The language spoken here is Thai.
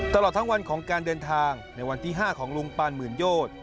ตลอดทั้งวันของการเดินทางในวันที่๕ของลุงปานหมื่นโยชน์